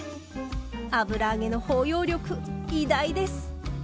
油揚げの包容力偉大です！